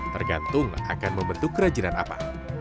tergantung akan membentuk kerajinan apa